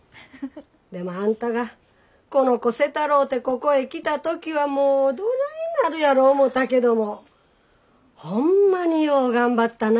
でもあんたがこの子せたろうてここへ来た時はもうどないなるやろ思たけどもホンマによう頑張ったな。